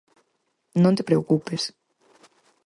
Non te preocupes.